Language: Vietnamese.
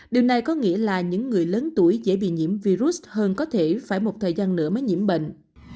điều này có nghĩa là những người lớn tuổi dễ bị nhiễm virus hơn có thể phải một thời gian nữa mới nhiễm bệnh